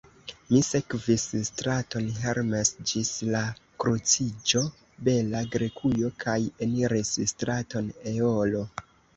Mi sekvis straton Hermes ĝis la kruciĝo Bela Grekujo, kaj eniris straton Eolo.